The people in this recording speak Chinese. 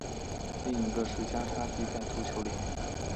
另一个是加沙地带足球联赛。